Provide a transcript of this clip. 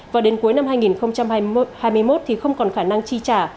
và đến cuối năm hai nghìn hai mươi một thì không còn khả năng chi trả